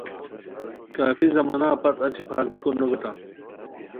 کافی زمانہ پت اچی پھاربیکو نوبیتام